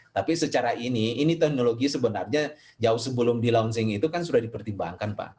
tapi secara ini ini teknologi sebenarnya jauh sebelum di launching itu kan sudah dipertimbangkan pak